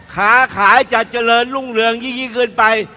ขาขายจะเจริญรุ่งเรืองยี่ยี่คืนไป